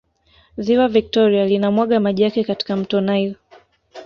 ziwa victoria linamwaga maji yake katika mto nile